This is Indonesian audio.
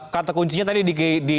kata kuncinya tadi di